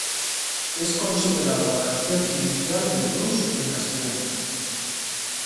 Es considerada la canción inicial del blues en castellano.